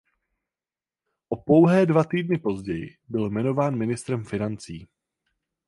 O pouhé dva týdny později byl jmenován ministrem financí.